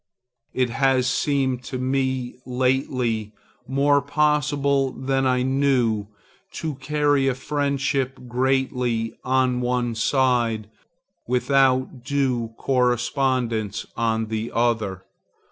It has seemed to me lately more possible than I knew, to carry a friendship greatly, on one side, without due correspondence on the other.